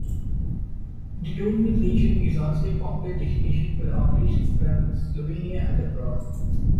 The Tolmin region is also a popular destination for artists from Slovenia and abroad.